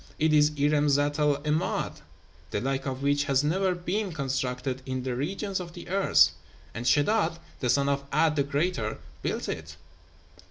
It is Irem Zat el 'Emád, the like of which hath never been constructed in the regions of the earth; and Sheddád, the son of 'A'd the Greater, built it.'